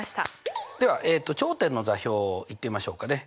では頂点の座標を言ってみましょうかね。